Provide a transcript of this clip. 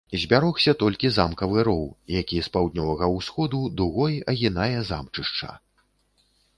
Збярогся толькі замкавы роў, які з паўднёвага усходу дугой агінае замчышча.